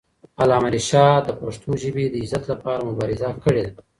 علامه رشاد د پښتو ژبې د عزت لپاره مبارزه کړې ده.